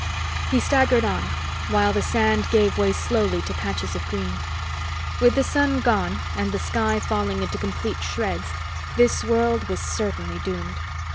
He staggered on, while the sand gave way slowly to patches of green. With the sun gone and the sky falling into complete shreds, this world was certainly doomed.